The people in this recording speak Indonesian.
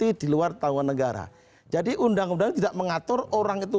di luar tanggungan negara jadi undang undang tidak mengatur orang itu